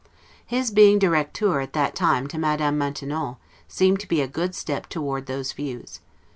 His being 'directeur' at that time to Madame Maintenon, seemed to be a good step toward those views.